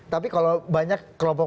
tapi kalau banyak kelompok